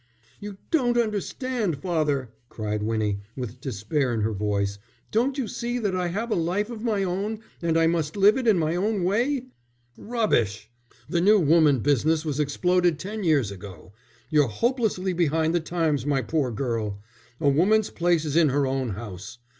"You don't understand, father," cried Winnie, with despair in her voice. "Don't you see that I have a life of my own, and I must live it in my own way?" "Rubbish! The new woman business was exploded ten years ago; you're hopelessly behind the times, my poor girl. A woman's place is in her own house.